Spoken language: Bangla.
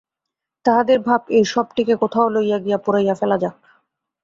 তাহাদের ভাব এই শবটিকে কোথাও লইয়া গিয়া পুড়াইয়া ফেলা যাক।